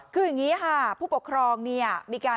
คืออย่างนี้ค่ะ